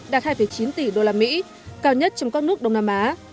đạt hai chín tỷ usd cao nhất trong các nước đông nam á